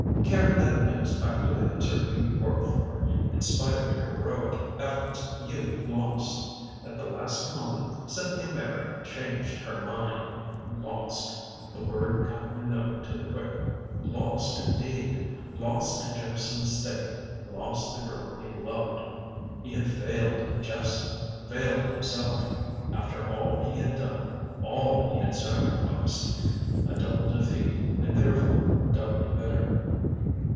Carry that news back to the concern you work for! In spite of your heroic efforts, you've lost! At the last moment Cynthia Meyrick changed her mind!" Lost! The word cut Minot to the quick. Lost, indeed! Lost Jephson's stake lost the girl he loved! He had failed Jephson failed himself! After all he had done all he had sacrificed. A double defeat, and therefore doubly bitter.